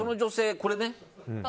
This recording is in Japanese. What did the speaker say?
これね。